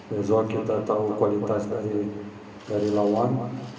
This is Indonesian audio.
besok kita tahu kualitas dari lawan